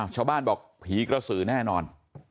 ชาวบ้านบอกผีกระสือแน่นอน